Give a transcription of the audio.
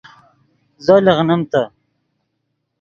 زو لیغنیم تے